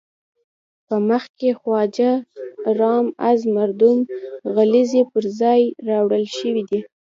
په مخ کې خواجه رام از مردم غلزی پر ځای راوړل شوی دی.